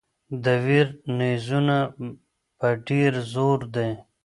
د ویر نیزونه په ډېر زور دي.